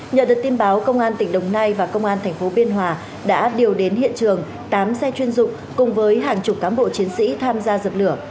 nhờ được tin báo công an tỉnh đồng nai và công an tp biên hòa đã điều đến hiện trường tám xe chuyên dụng cùng với hàng chục cán bộ chiến sĩ tham gia dập lửa